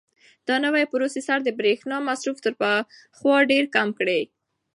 دا نوی پروسیسر د برېښنا مصرف تر پخوا ډېر کم کړی دی.